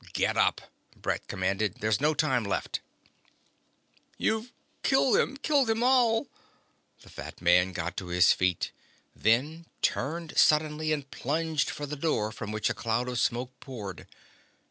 "Get up," Brett commanded. "There's no time left." "You've killed them. Killed them all ..." The fat man got to his feet, then turned suddenly and plunged for the door from which a cloud of smoke poured.